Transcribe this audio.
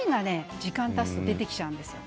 時間がたつと出てきちゃうんです。